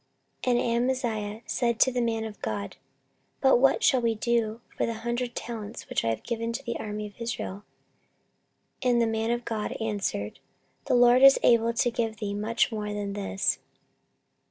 14:025:009 And Amaziah said to the man of God, But what shall we do for the hundred talents which I have given to the army of Israel? And the man of God answered, The LORD is able to give thee much more than this.